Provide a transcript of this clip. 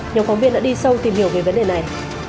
nhóm phóng viên đã đi sâu tìm hiểu về vấn đề này